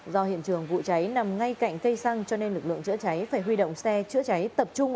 do hiện trường vụ cháy nằm ngay cạnh cây xăng cho nên lực lượng chữa cháy phải huy động xe chữa cháy tập trung